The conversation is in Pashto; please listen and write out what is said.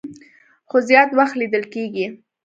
خو زيات وخت ليدل کيږي